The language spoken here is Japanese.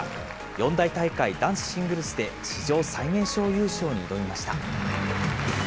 四大大会男子シングルスで史上最年少優勝に挑みました。